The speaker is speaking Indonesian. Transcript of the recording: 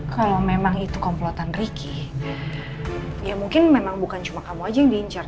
kalau memang itu komplotan ricky ya mungkin memang bukan cuma kamu aja yang diincar